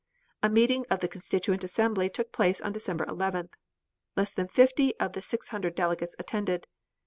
A meeting of the Constituent Assembly took place on December 11th. Less than 50 of the 600 delegates attended.